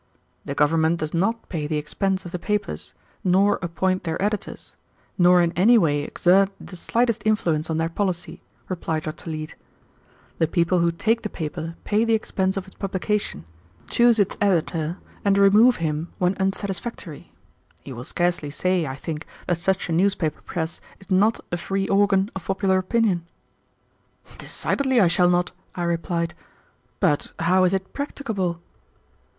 "The government does not pay the expense of the papers, nor appoint their editors, nor in any way exert the slightest influence on their policy," replied Dr. Leete. "The people who take the paper pay the expense of its publication, choose its editor, and remove him when unsatisfactory. You will scarcely say, I think, that such a newspaper press is not a free organ of popular opinion." "Decidedly I shall not," I replied, "but how is it practicable?"